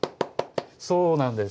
そうなんです。